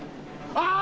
ああ！